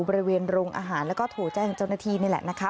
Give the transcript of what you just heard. บริเวณโรงอาหารแล้วก็โทรแจ้งเจ้าหน้าที่นี่แหละนะคะ